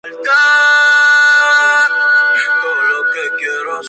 Podría usarse en su comienzo diluido en partes iguales primeramente.